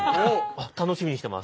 あっ楽しみにしてます。